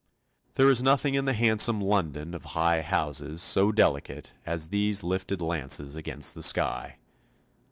There is nothing in the handsome London of high houses so delicate as these lifted lances against the sky.